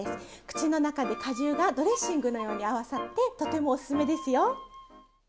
口の中で果汁がドレッシングのように合わさってとてもおすすめですよ。